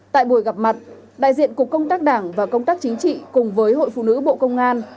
tại buổi gặp mặt đại diện cục công tác đảng và công tác chính trị cùng với hội phụ nữ bộ công an